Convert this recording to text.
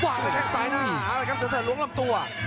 วางไปแท่งซ้ายหน้าเอาละครับเสือเสริญล้วงลำตัว